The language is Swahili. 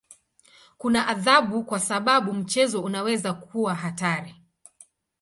Kuna adhabu kwa sababu mchezo unaweza kuwa hatari.